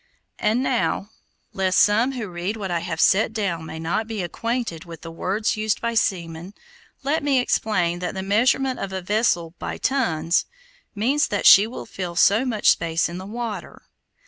And now, lest some who read what I have set down may not be acquainted with the words used by seamen, let me explain that the measurement of a vessel by tons, means that she will fill so much space in the water.